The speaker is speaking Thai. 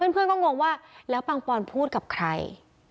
เพื่อนก็งงว่าแล้วปังปอนพูดกับใคร